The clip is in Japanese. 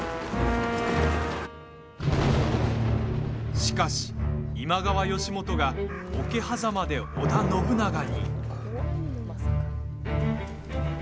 しかし、今川義元が桶狭間で織田信長に。